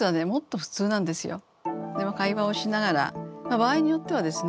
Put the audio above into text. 場合によってはですね